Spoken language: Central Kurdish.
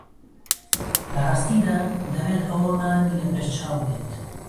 لە ڕاستیدا دەبێت ئەوەمان لە پێشچاو بێت